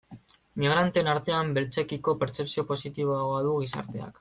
Migranteen artean, beltzekiko pertzepzio positiboagoa du gizarteak.